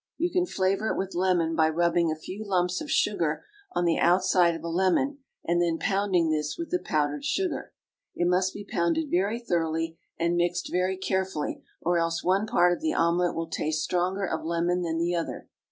You can flavour it with lemon by rubbing a few lumps of sugar on the outside of a lemon, and then pounding this with the powdered sugar. It must be pounded very thoroughly and mixed very carefully, or else one part of the omelet will taste stronger of lemon than the other.